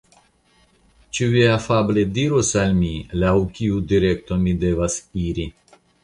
Ĉu vi afable diros al mi laŭ kiu direkto mi devas iri?